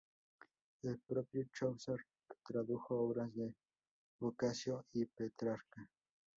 El propio Chaucer tradujo obras de Boccaccio y Petrarca.